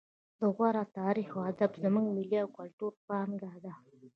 د غور تاریخ او ادب زموږ ملي او کلتوري پانګه ده